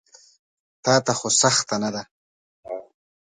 تاته خو سخته نه ده.